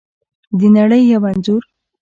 د نړۍ یو انځور